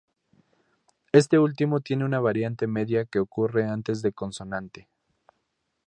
Este último tiene una variante media que ocurre antes de consonante.